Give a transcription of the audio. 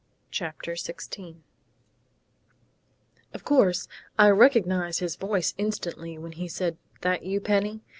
_" CHAPTER SIXTEEN "Of course I recognized his voice instantly when he said, 'That you, Penny?'